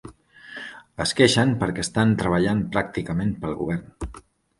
Es queixen per què estan treballant pràcticament pel govern.